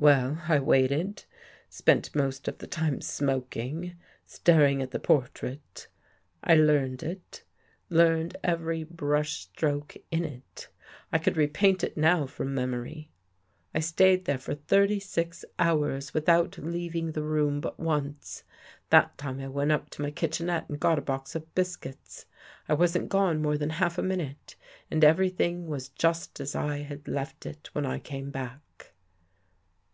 " Well, I waited; spent most of the time smoking, staring at the portrait. I learned it — learned every brush stroke in it. I could repaint it now from memory. I stayed there for thirty six hours with out leaving the room but once. That time I went up to my kitchenette and got a box of biscuits. I wasn't gone more than half a minute and everything was just as I had left it when I came back.